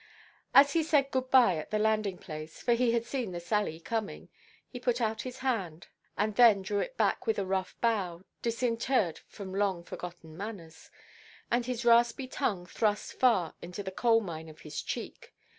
As he said "good–bye" at the landing–place—for he had seen the Sally coming—he put out his hand, and then drew it back with a rough bow (disinterred from long–forgotten manners), and his raspy tongue thrust far into the coal–mine of his cheek.